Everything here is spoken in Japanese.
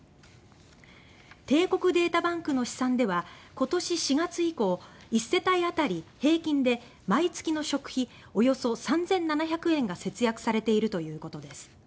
帝国データバンクの試算では今年４月以降１世帯当たり平均で毎月の食費およそ３７００円が節約されているということです。